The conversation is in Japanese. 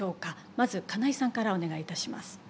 まず金井さんからお願いいたします。